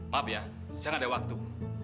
maaf ya saya enggak ada waktu